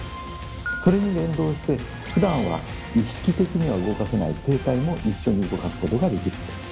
それに連動してふだんは意識的には動かせない声帯も一緒に動かすことができるんです。